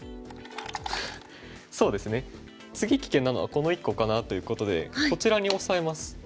そうですね次危険なのはこの１個かなということでこちらにオサえます。